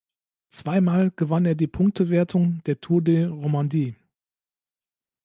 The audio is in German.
Zweimal gewann er die Punktewertung der Tour de Romandie.